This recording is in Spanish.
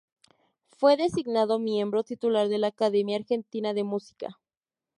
Fue designado Miembro Titular de la Academia Argentina de Música.